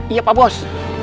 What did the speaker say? iya pak bos